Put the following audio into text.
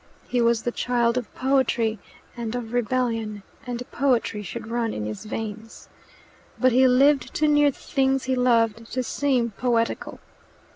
He was the child of poetry and of rebellion, and poetry should run in his veins. But he lived too near the things he loved to seem poetical.